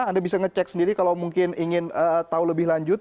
anda bisa ngecek sendiri kalau mungkin ingin tahu lebih lanjut